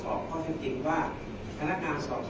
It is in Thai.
แต่ว่าไม่มีปรากฏว่าถ้าเกิดคนให้ยาที่๓๑